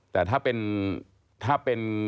แต่ถ้าเป็นถ้าเป็น